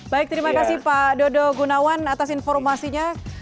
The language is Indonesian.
baik terima kasih pak dodo gunawan atas informasinya